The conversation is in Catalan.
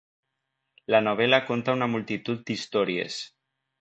La novel·la conta una multitud d'històries.